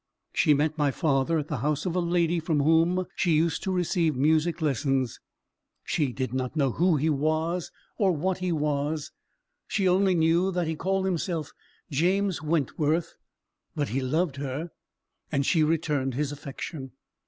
She met my father at the house of a lady from whom she used to receive music lessons. She did not know who he was, or what he was. She only knew that he called himself James Wentworth; but he loved her, and she returned his affection.